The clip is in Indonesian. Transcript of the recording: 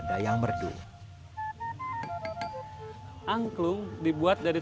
beliau pun bercerita cara membuat angklung hingga memilih angklung yang terbaik